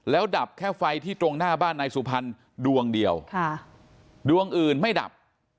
แล้วดับแค่ไฟที่ตรงหน้าบ้านนายสุพรรณดวงเดียวดวงอื่นไม่ดับ